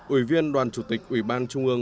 ủy viên đoàn chủ tịch ủy ban trung ương